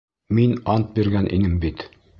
Мин ант биргән инем бит.